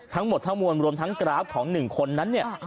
ทั้งหมดทั้งมวลรวมทั้งกราฟของหนึ่งคนนั้น